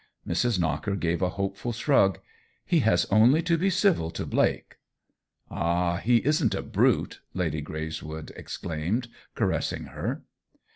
Mrs. Knocker gave a hopeful shrug. " He has only to be civil to Blake !"" Ah, he isn't a brute !" Lady Greyswood exclaimed, caressing her.